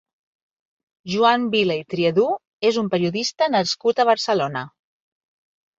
Joan Vila i Triadú és un periodista nascut a Barcelona.